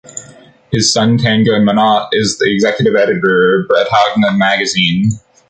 His son Tanguy Monnat is the executive editor of Bretagne Magazine.